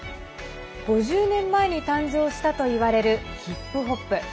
５０年前に誕生したといわれるヒップホップ。